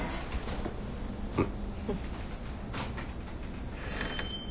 うん。